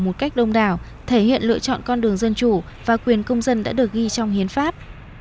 một cách đông đảo thể hiện lựa chọn con đường dân chủ và quyền công dân đã được ghi trong hiến pháp